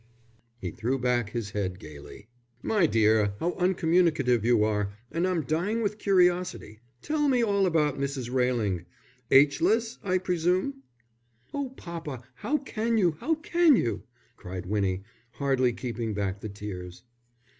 _" He threw back his head gaily. "My dear, how uncommunicative you are, and I'm dying with curiosity. Tell me all about Mrs. Railing. Aitchless, I presume?" "Oh, papa, how can you, how can you!" cried Winnie, hardly keeping back the tears.